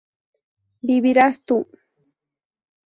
¿vivirás tú?